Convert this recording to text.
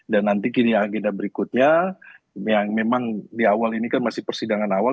dan nanti kini agenda berikutnya yang memang di awal ini kan masih persidangan awal